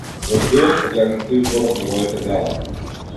Во прилог погледнете избор од неговите дела.